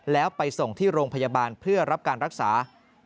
แล้วไปส่งที่โรงพยาบาลเพื่อรับการรักษา